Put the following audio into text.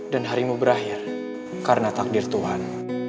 dan harimu berakhir karena takdir tuhan